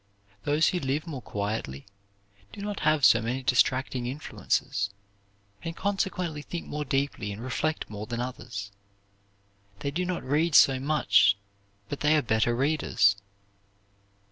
Those who live more quietly do not have so many distracting influences, and consequently think more deeply and reflect more than others. They do not read so much but they are better readers.